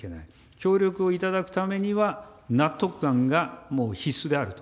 協力をいただくためには、納得感がもう必須であると。